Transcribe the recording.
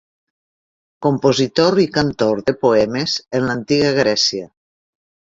Compositor i cantor de poemes en l'antiga Grècia.